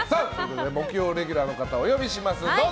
木曜レギュラーの方をお呼びします、どうぞ！